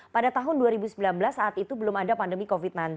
pada tahun dua ribu sembilan belas saat itu belum ada pandemi covid sembilan belas